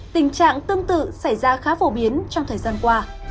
tình trạng tương tự xảy ra khá phổ biến trong thời gian qua